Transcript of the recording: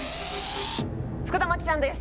福田麻貴ちゃんです。